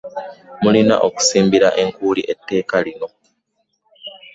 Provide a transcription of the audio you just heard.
Mulina okusimbira ekkuuli etteeka lino.